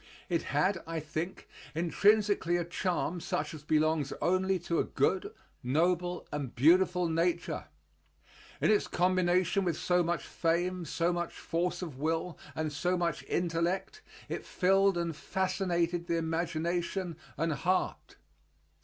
It had, I think, intrinsically a charm such as belongs only to a good, noble, and beautiful nature. In its combination with so much fame, so much force of will, and so much intellect, it filled and fascinated the imagination and heart.